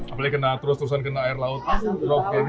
apalagi terus terusan kena air laut rob kayak gini